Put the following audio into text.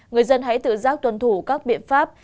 người dân hãy tự giác tuân thủ các biện pháp